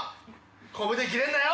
ここで切れるなよ。